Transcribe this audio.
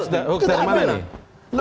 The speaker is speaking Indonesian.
ini hukum dari mana nih